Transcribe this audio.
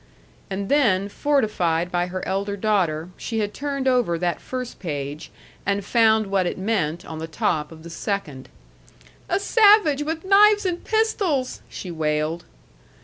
And then, fortified by her elder daughter, she had turned over that first page and found what it meant on the top of the second. "A savage with knives and pistols!" she wailed.